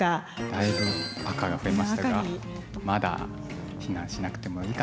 だいぶ赤が増えましたがまだ避難しなくてもいいかなというか。